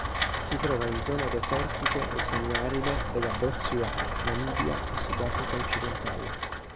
Si trova in zone desertiche o semiaride della Botswana, Namibia e Sudafrica occidentale.